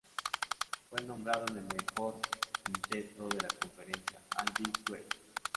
Fue nombrado en el mejor quinteto de la Conferencia All-Big West.